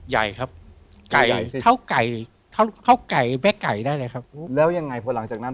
หลังจากนั้น